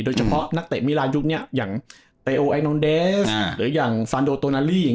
โดยเฉพาะนักเตะมิลายุคเนี่ยอย่างเตโอไอโนนเดสหรืออย่างซานโดโตนาลี่